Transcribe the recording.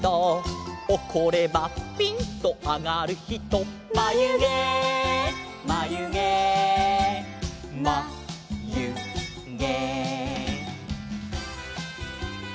「おこればぴんとあがるひと」「まゆげまゆげまゆげ」